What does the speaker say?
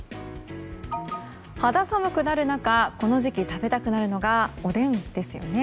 肌寒くなる中この時期食べたくなるのがおでんですよね。